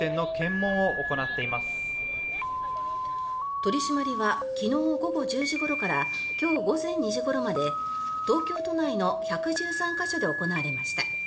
取り締まりは昨日午後１０時ごろから今日午前２時ごろまで東京都内の１１３か所で行われました。